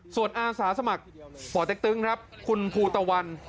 ส่วนอาสาสมัครป่อเต็กตึงครับคุณภูตะวัน